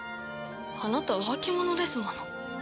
あなた浮気者ですもの。